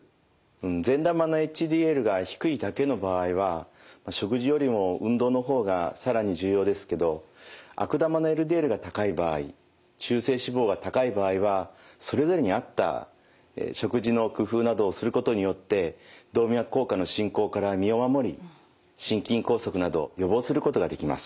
善玉のＨＤＬが低いだけの場合は食事よりも運動の方が更に重要ですけど悪玉のＬＤＬが高い場合中性脂肪が高い場合はそれぞれに合った食事の工夫などをすることによって動脈硬化の進行から身を守り心筋梗塞など予防することができます。